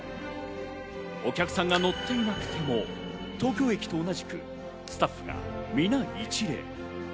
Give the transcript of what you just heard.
お客さんが乗っていなくても東京駅と同じく、スタッフがみな、一礼。